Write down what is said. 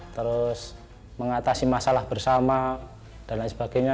terus mengatasi masalah bersama dan lain sebagainya